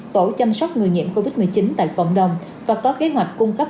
tổ chăm sóc người nhiễm covid một mươi chín tại cộng đồng và có kế hoạch cung cấp